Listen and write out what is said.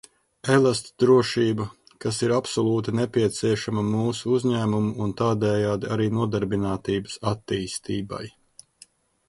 Elastdrošība, kas ir absolūti nepieciešama mūsu uzņēmumu un tādējādi arī nodarbinātības attīstībai.